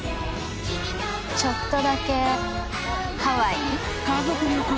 ちょっとだけハワイに。